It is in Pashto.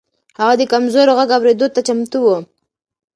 هغه د کمزورو غږ اورېدو ته چمتو و.